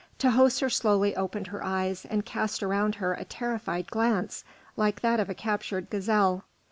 Tahoser slowly opened her eyes and cast around her a terrified glance like that of a captured gazelle.